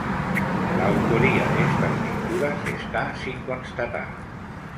La autoría de estas pinturas está sin constatar.